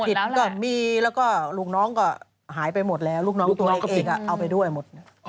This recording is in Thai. ผิดก็มีแล้วก็ลูกน้องก็หายไปหมดแล้วลูกน้องตัวเองเอาไปด้วยหมด